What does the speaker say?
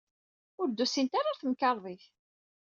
Ur d-usint ara ɣer temkarḍit.